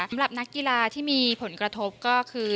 สำหรับนักกีฬาที่มีผลกระทบก็คือ